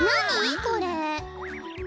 これ。